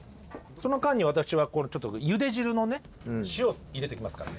その間に私はゆで汁のね塩入れていきますから。